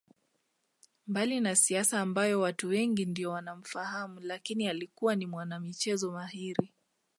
Mbali na siasa ambayo watu wengi ndiyo wanamfahamu lakini alikuwa ni mwanamichezo mahiri